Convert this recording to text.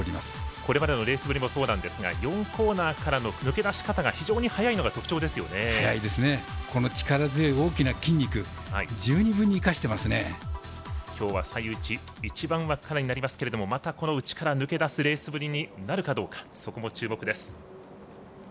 これまでのレースぶりもそうなんですが４コーナーからの抜け出し方が非常に力強い大きな筋肉を今回は１番枠からになりますけどまた内から抜けだすレースぶりになるかどうか注目です。